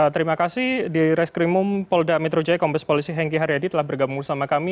terima kasih di reskrimum polda metro jaya kombes polisi hengki haryadi telah bergabung bersama kami